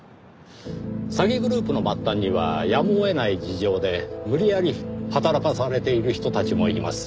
詐欺グループの末端にはやむを得ない事情で無理やり働かされている人たちもいます。